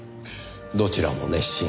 どちらも熱心。